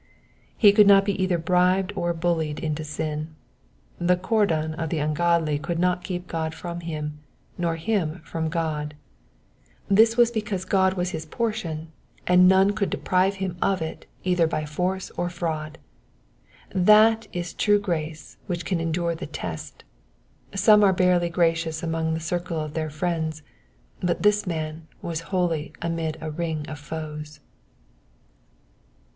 He could not be either bribed or bullied into sin. The cordon of the ungodly could not keep God from him, nor him from God : this was because God Digitized by VjOOQIC 148 EXPOSITIONS OF THE PSALMS. was his portion, and none could deprive him of it either by force or fraud. That i3 true grace which can endure the test : some are barely gracious among the circle of their fnends, but this man was holy amid a ring of foes.